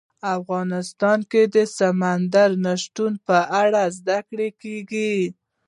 افغانستان کې د سمندر نه شتون په اړه زده کړه کېږي.